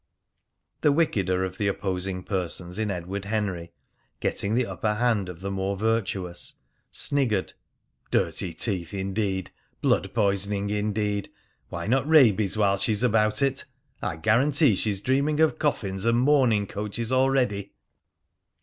The wickeder of the opposing persons in Edward Henry, getting the upper hand of the more virtuous, sniggered. "Dirty teeth, indeed! Blood poisoning, indeed! Why not rabies, while she's about it? I guarantee she's dreaming of coffins and mourning coaches already!"